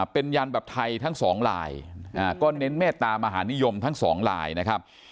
เป็นยันแบบไทยทั้งสองลายก็เน้นเมตตามหานิยมทั้งสองลายนะครับ